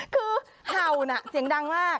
คือเห่านะเสียงดังมาก